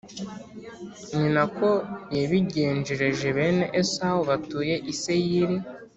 Ni na ko yabigenjereje bene Esawu batuye i Seyiri,